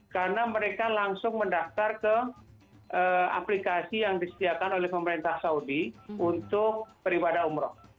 karena mereka langsung mendaftar ke aplikasi yang disediakan oleh pemerintah saudi untuk peribadah umrah